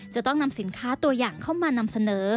จะต้องนำสินค้าตัวอย่างเข้ามานำเสนอ